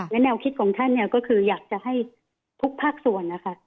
อย่างแนวคิดของท่านก็คืออยากจะให้ทุกภาคส่วน